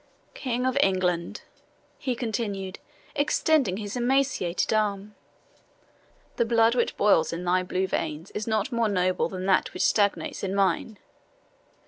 "King of England," he continued, extending his emaciated arm, "the blood which boils in thy blue veins is not more noble than that which stagnates in mine.